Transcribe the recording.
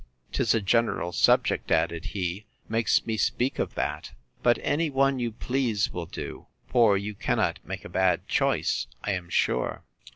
'Tis a general subject, added he, makes me speak of that; but any one you please will do; for you cannot make a bad choice, I am sure.